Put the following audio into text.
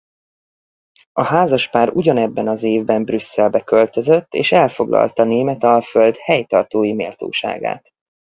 A házaspár ugyanebben az évben Brüsszelbe költözött és elfoglalta Németalföld helytartói méltóságát.